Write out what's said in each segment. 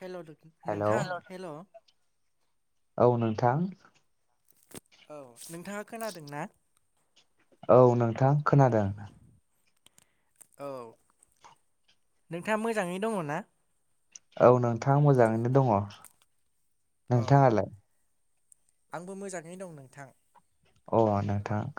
हेल' hello नोंथां hello. औ नोंथां। औ। नोंथाङा खोनादोंना? औ नोंथां खोनादों। औ नोंथाङा मोजाङै दङना? औ नोंथाङा मोजाङैनो दङ। औ नोंथाङालाय? आंबो मोजाङै दं नोंथां। अ नोंथां।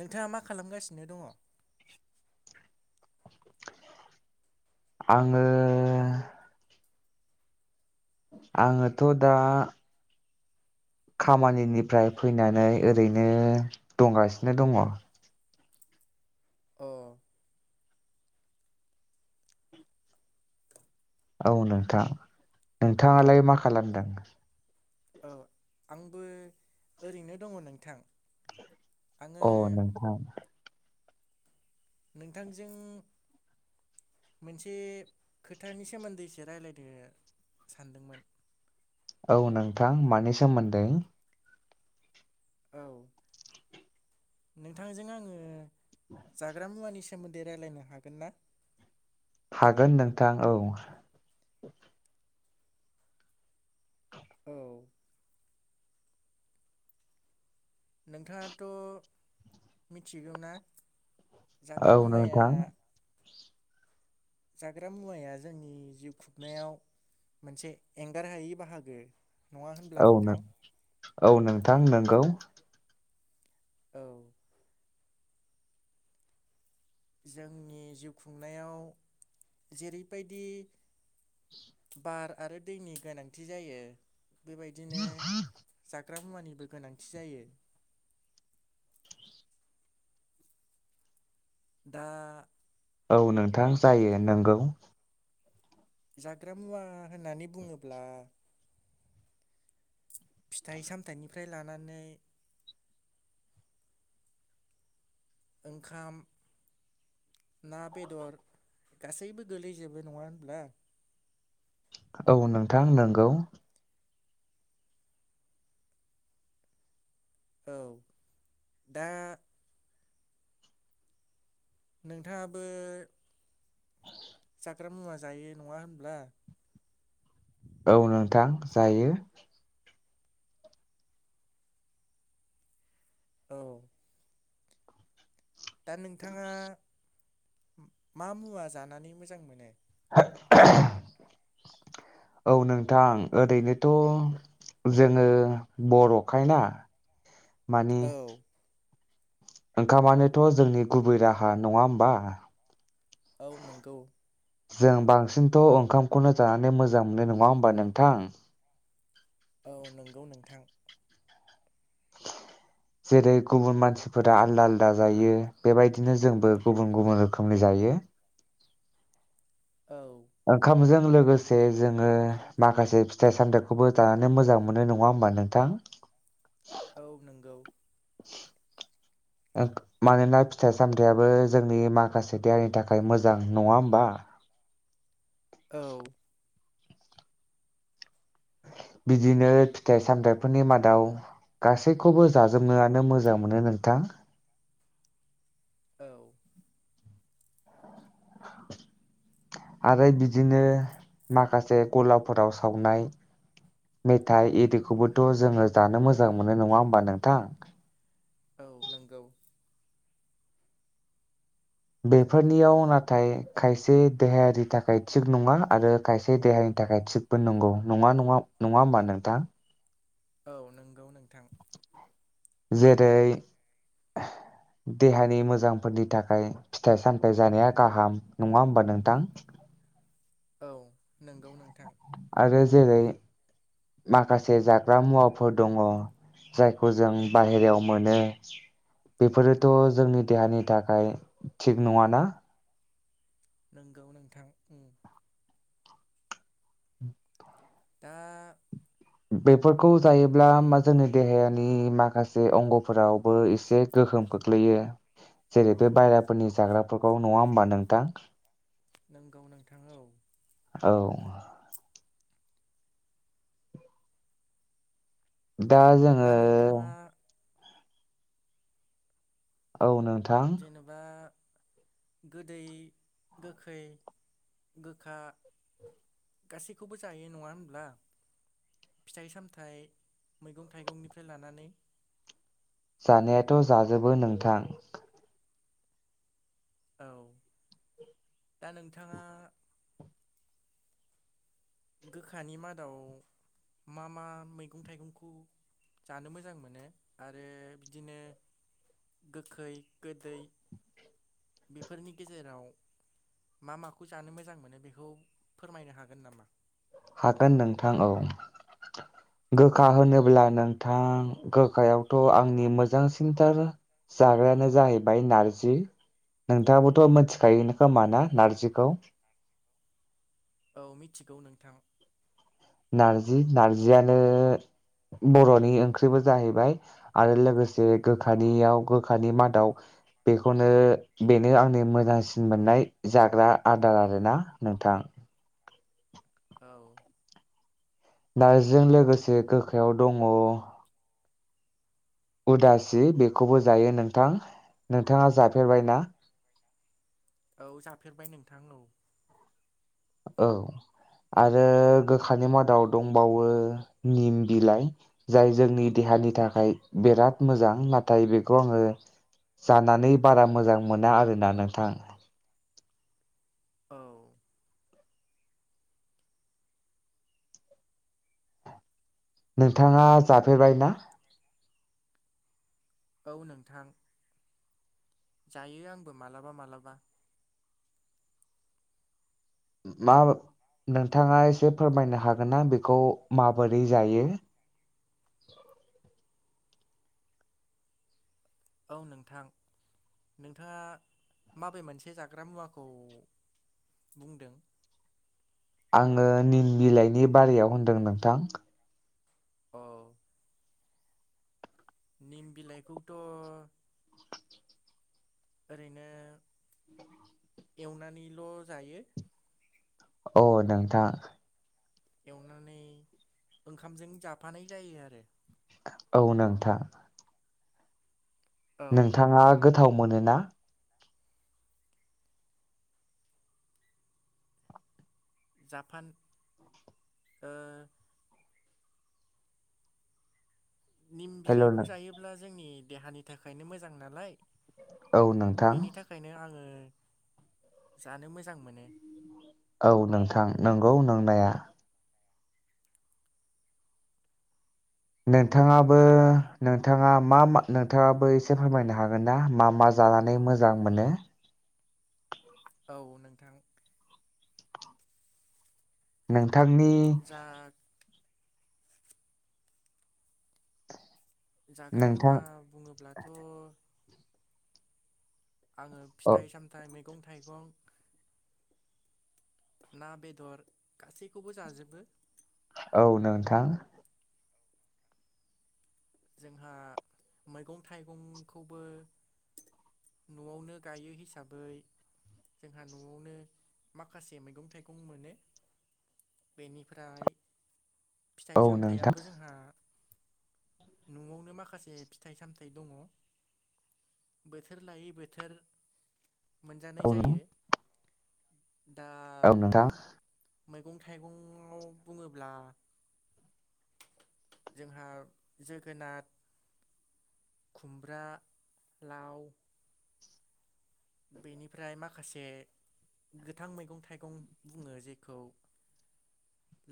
नोंथाङा मा खालामगासिनो दङ आङो। आङोथ' दा। खामानिनिफ्राय फैनानै ओरैनो दंगासिनो दङ। औ। औ नोंथां नोंथाङालाय मा खालामदों औ आंबो ओरैनो दङ नोंथां। आङो औ नोंथां। नोंथांजों मोनसे खोथानि सोमोन्दै एसे रायज्लायनो सानदोंमोन। औ नोंथां मानि सोमोन्दै? औ नोंथांजों आङो। जाग्रा मुंआनि सो सोमोन्दै रायज्लायनो हागोनना। हागोन नोंथां औ। औ। नोंथाङाथ' मिथिगौ ना जाग्रा औ नोंथा मुवाया जाग्रा मुवाया जोंनि जिउ खुगनायाव मोनसे एंगार हायै बाहागो नङा होनब्ला औ नोंथां नों औ नों थां नोंगौ औ जोंनि जिउ खुंनायाव जेरैबायदि बार आरो दैनि गोनांथि जायो बेबायदिनो जा ग्रा मुवानिबो गोनांथि जायो दा औ नोंथां जायो नोंगौ जाग्रा मुवा होननानै बुङोब्ला फिथाइ सामथाइनिफ्राय लानानै ओंखाम ना बेदर गासैबो गोलैजोबो नङा होनब्ला औ नोंथां नोंगौ औ दा नोंथाङाबो [unintelligible] ग्रा मुवा जायो नङा होनब्ला औ नोंथां जायो औ दा नोंथाङा मा मुवा जानानै मोजां मोनो [unintelligible] औ नोंथां ओरैनोथ' जोङो बर'खायना मानि औ ओंखामानोथ' जोंनि गुबै राहा नङा होमबा औ नोंगौ जों बांसिनथ' ओंखामखौनो जानानै मोजां मोनो नङा होमबा नोंथां औ नंगौ नोंथां जेरै गुबुन मानसिफोरा आलदा आलदा जायो बेबायदिनो जोंबो गुबुन गुबुन रोखोमनि जायो औ ओंखामजों लोगोसे जोङो माखासे फिथाइ सामथाइखौबो जानानै मोजां मोनो नङा होमबा नोंथां औ नंगौ मानोना फिथाइ सामथाइयाबो जोंनि माखासे देहानि थाखाय मोजां नङा होमबा औ बिदिनो फिथाइ सामथायाइफोरनि मादाव गासैखौबो जाजोबनोआनो मोजां मोनो नोंथां औ आरो बिदिनो माखासे गलाफोराव सावनाय मेथाइ इदिखौबोथ' जोङो जानो मोजां मोनो नङा होमबा नोंथां? औ नोंगौ बेफोरनियाव नाथाय खायसे देहायारि थाखाय थिग नङा आरो खायसे देहानि थाखाय थिगबो नंगौ नङा नङा नङा होमबा नोंथां औ नों गौ नोंथां जेरै देहानि मोजांफोरनि थाखाय फिथाइ सामथाइ जानाया गाहाम नङा होमबा नोंथां औ नोंगौ नों आरो जेरै माखासे जाग्रा मुवाफोर दङ जायखौ जों बाहेरायाव मोनो बेफोरोथ' जोंनि देहानि थाखाय थिग नङाना नंगौ नोंथां दा बेफोरखौ जायोब्ला मा जोंनि देहानि माखासे अंगफोरावबो एसे गोहोम खोख्लैयो जेरै बे बायेराफोरनि जाग्राफोरखौ नंङा होमबा नोंथां नोंगौ नोंथां औ औ दा जोङो दा नोंथाङा औ नोंथां जेनेबा गोदै गोखै गोखा गासैखौबो जायो नंङा होनब्ला फिथाइ सामथायाइ मैगं थाइगंनिफ्राय लानानै जानायाथ' जाजोबो नोंथां औ दा नोंथाङा गोखानि मादाव मा मा मैगं थाइगंखौ जानो मोजां मोनो आरो बिदिनो गोखै गोदै बेफोरनि गेजेराव मा माखौ जानो मोजां मोनो बेखौ फोरमायनो हागोन नामा? हागोन नोंथां औ गोखा होनोब्ला नोंथां गोखायावथ' आंनि मोजांसिनथार जाग्रायानो जाहैबाय नारजि नोंथाङाबोथ' मिथिखायो खोमा ना नार्जिखौ औ मिथिगौ नोंथां नारजि नारजियानो बर'नि ओंख्रिबो जाहैबाय आरो लोगोसे गोखानियाव गोखानि मादाव बेखौनो बेनो आंनि मोजांसिन मोननाय जाग्रा आदार आरोना नोंथां औ नार्जिजों लोगोसे गोखायाव दङ उदासि बेखौबो जायो नोंथां नोंथाङा जाफेरबायना औ जाफेरबाय नोंथां औ औ आरो गोखानि मादाव दंबावो निम बिलाइ जाय जोंनि देहानि थाखाय बिराद मोजां नाथाय बेखौ आङो जानानै बारा मोजां मोना आरोना नोंथां औ नोंथाङा जाफेरबाय ना औ नोंथां जायो आंबो मालाबा मालाबा मा नोंथाङा एसे फोरमायनो हागोन ना बेखौ माबोरै जायो। औ नोंथां नोंथाङा माबे मोनसे जाग्रा मुवाखौ बुंदों। आङो निम बिलाइनि बारियाव होनदों नोंथां अ निम बिलाइखौथ' ओरैनो एवनानैल' जायो। अ नोंथां एवनानै ओंखामजों जाफानाय जायो आरो औ नोंथां औ नोंथाङा गो थाव मोनोना? जापान ओ निम हेल' बिलाइखौ औ जायोब्ला जोंनि देहानि थाखायनो मोजां नालाय नोंथां बेनि थाखायनो आङो जानो मोजां मोनो औ नोंथां नंगौ नोंनाया नोंथाङाबो नोंथाङा मा मा नोंथाङाबो एसे फोरमायनो हागोन ना मा मा जानानै मोजां मोनो? औ नोंथां नों थांनि जा जाग्रा मुवा नोंथां बुङोब्लाथ' आङो औ फिथाइ सामथाइ मैगं थाइगं ना बेदर गासैखौबो जाजोबो औ नोंथां जोंहा मैगं थाइगंखौबो न'आवनो गायो हिसाबै जोंहा न'आवनो माखासे मैगं थाइगं मोनो बेनिफ्राय फिथाइ औ नोंथां सामथाइयाबो जोंहा न'आवनो माखासे फिथाइ सामथाइ दङ बोथोर लायै बोथोर मोनजानाय औ नों जायो दा औ नोंथां मैगं थाइगंआव बुङोब्ला जोंहा जोगोनार खुमब्रा लाव बेनिफ्राय माखासे गोथां मैगं थाइगं बुङो जेखौ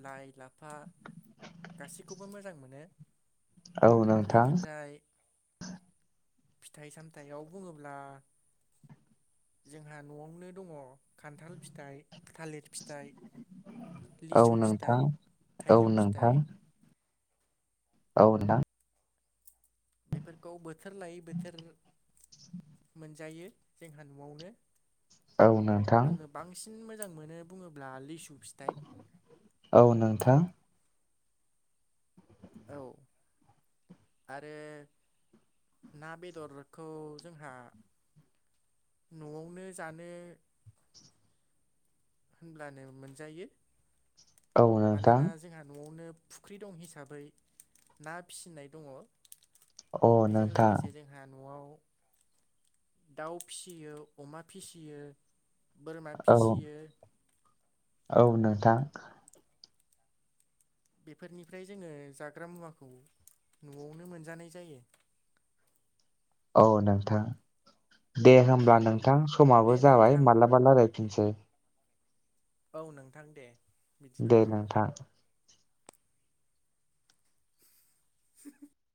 लाइ ला फा गासिखौबो मोजां मोनो। औ नोंथां बेनिफ्राय फिथाइ सामथाइयाव बुङोब्ला जोंहा न'आवनो दङ खान्थाल फिथाइ थालिर फिथाइ औ लिसु नोंथां फिथाइ थाइजौ औ नोंथां फिथाइ औ नोंथां बेफोरखौ बोथोर लायै बोथोर मोनजायो जोंहा न'आवनो औ नोंथां आङो बांसिन मोजां मोनो बुङोब्ला लिसु फिथाइ औ नोंथां औ आरो ना बेदरखौ जोंहा न'आवनो जानो होनब्लानो मोनजायो औ नोंथां औ नोंथां अ नोंथां मानोना जोंहा न'आवनो फुख्रि दं हिसाबै ना फिसिनाय दङ। बेजों लोगोसे जोंहा न'आव दाउ फिसियो अमा फिसियो बोरमा औ फिसियो, औ नोंथां बेफोरनिफ्राय जोङो जाग्रा मुवाखौ न'आवनो मोनजानाय जायो। औ नोंथां दे औ होमब्ला नोंथां समाबो दे जाबाय नोंथां मालाबा लाराय खिनोसै। औ नोंथां दे। बिदिब्ला दे नोंथां। [inaudible]